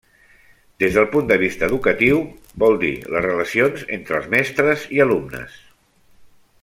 Des del punt de vista educatiu, vol dir les relacions entre els mestres i alumnes.